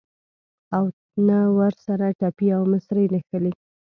او نه ورسره ټپې او مصرۍ نښلي.